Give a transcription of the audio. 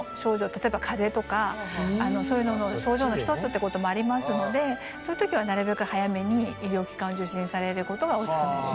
例えば風邪とかそういうのの症状の一つってこともありますのでそういうときはなるべく早めに医療機関を受診されることがオススメです。